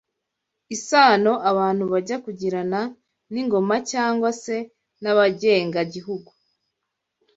isano abantu bajya kugirana n’ingoma cyangwa se n’abagenga gihugu